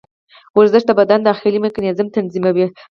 ورزش د بدن داخلي میکانیزم تنظیموي.